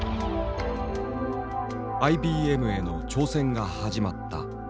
ＩＢＭへの挑戦が始まった。